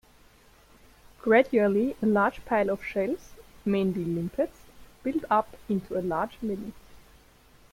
Gradually a large pile of shells, mainly limpets, built up into a large midden.